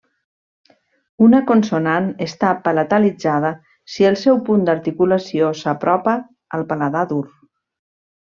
Una consonant està palatalitzada si el seu punt d'articulació s'apropa al paladar dur.